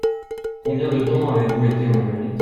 Combien de temps avez-vous été en Amérique ?